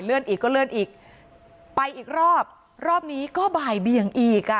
อีกก็เลื่อนอีกไปอีกรอบรอบนี้ก็บ่ายเบียงอีกอ่ะ